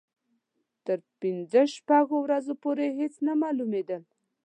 تر پنځو شپږو ورځو پورې هېڅ نه معلومېدل.